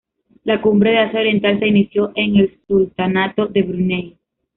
La Cumbre de Asia Oriental se inició en el Sultanato de Brunei.